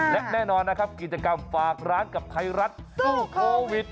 และแน่นอนนะครับกิจกรรมฝากร้านกับไทยรัฐสู้โควิด